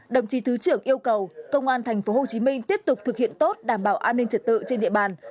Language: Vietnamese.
đồng chí thứ trưởng yêu cầu công an tp hcm tiếp tục thực hiện tốt đảm bảo an ninh trật tự trên địa bàn